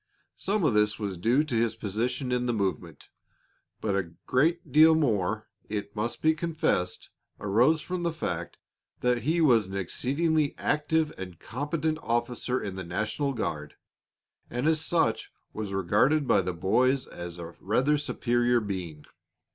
Some of this was due to his position in the movement; but a great deal more, it must be confessed arose from the fact that he was an exceedingly active and competent officer in the national guard, and as such was regarded by the boys as a rather superior being.